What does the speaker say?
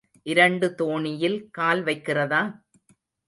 இரண்டு தோணியில் கால் வைக்கிறதா?